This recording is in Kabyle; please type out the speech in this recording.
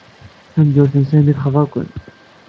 Tameddurt n Sami texḍa-ken.